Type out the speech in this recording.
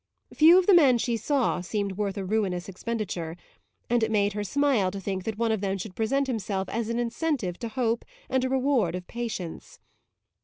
Few of the men she saw seemed worth a ruinous expenditure, and it made her smile to think that one of them should present himself as an incentive to hope and a reward of patience.